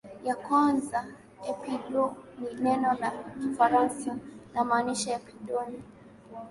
ya kwanza epindoo ni neno la kifaransa namaanisha epindoo ni